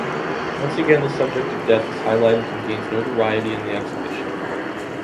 Once again the subject of death is highlighted and gains notoriety in the exhibition.